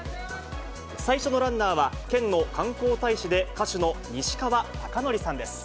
最初のランナーは、県の観光大使で歌手の西川貴教さんです。